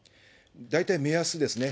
大体目安ですね。